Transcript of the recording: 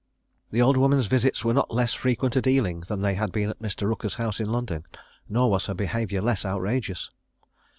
The old woman's visits were not less frequent at Ealing than they had been at Mr. Rooker's house in London; nor was her behaviour less outrageous.